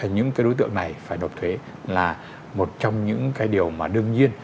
những cái đối tượng này phải đột thuế là một trong những cái điều mà đương nhiên